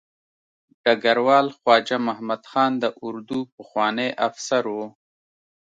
ډګروال خواجه محمد خان د اردو پخوانی افسر و.